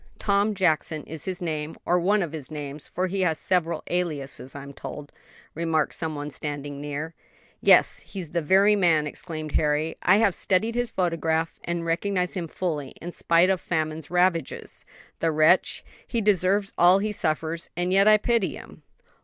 Tom Jackson is his name, or one of his names; for he has several aliases, I'm told," remarked some one standing near. "Yes, he's the very man!" exclaimed Harry. "I have studied his photograph and recognize him fully, in spite of famine's ravages. The wretch! he deserves all he suffers: and yet I pity him."